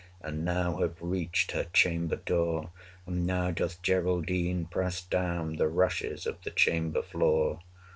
And now have reached her chamber door; And now doth Geraldine press down The rushes of the chamber floor.